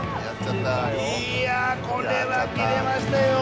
いやこれはキレましたよ。